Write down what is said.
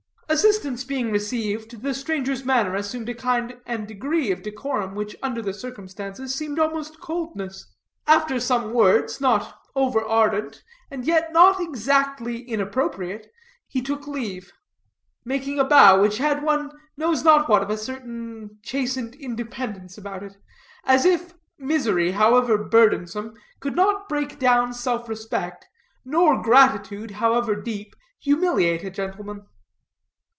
Assistance being received, the stranger's manner assumed a kind and degree of decorum which, under the circumstances, seemed almost coldness. After some words, not over ardent, and yet not exactly inappropriate, he took leave, making a bow which had one knows not what of a certain chastened independence about it; as if misery, however burdensome, could not break down self respect, nor gratitude, however deep, humiliate a gentleman.